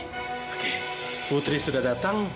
oke putri sudah datang